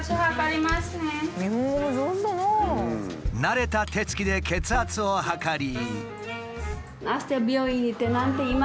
慣れた手つきで血圧を測り。